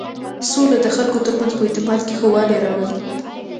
سوله د خلکو تر منځ په اعتماد کې ښه والی راولي.